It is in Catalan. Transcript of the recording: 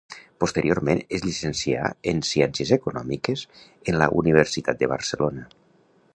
Posteriorment es llicencià en Ciències Econòmiques en la Universitat de Barcelona.